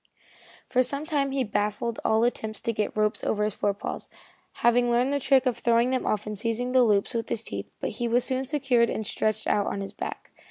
For some time he baffled all attempts to get ropes on his forepaws, having learned the trick of throwing them off and seizing the loops with his teeth, but he was soon secured and stretched out on his back.